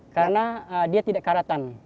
karena dia tidak keratan